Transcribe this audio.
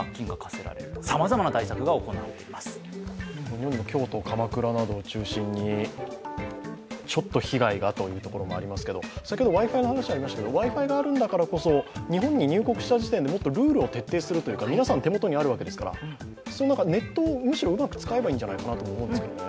日本も京都、鎌倉などを中心にちょっと被害がというところもありますけど、先ほどＷｉ−Ｆｉの話がありましたけどＷｉ−Ｆｉがあるんだからこそ日本に入国した時点でルールを徹底するとか皆さん手元にあるわけですから、ネットをむしろうまく使えばいいんじゃないかと思いますね